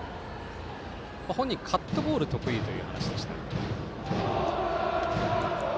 本人、カットボールが得意という話でした。